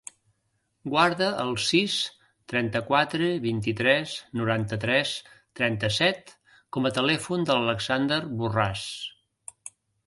Guarda el sis, trenta-quatre, vint-i-tres, noranta-tres, trenta-set com a telèfon de l'Alexander Borras.